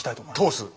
通す？